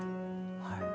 はい。